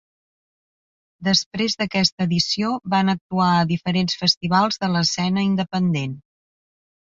Després d'aquesta edició van actuar a diferents festivals de l'escena independent.